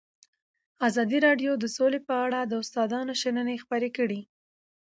ازادي راډیو د سوله په اړه د استادانو شننې خپرې کړي.